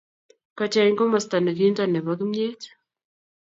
kocheny komosto ne kinto nebo kumyet